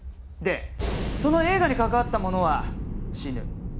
でその映画に関わった者は死ぬ。